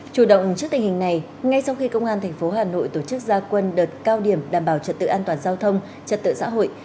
chủ động trước tình hình này ngay sau khi công an tp hà nội tổ chức gia quân đợt cao điểm đảm bảo trật tự an toàn giao thông trật tự xã hội